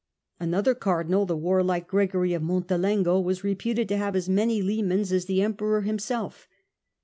Another Cardinal, the warlike Gregory of Montelengo, was reputed to have as many lemans as the Emperor himself.